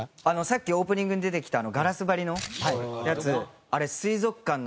さっきオープニングに出てきたガラス張りのやつあれ水族館なんですけど。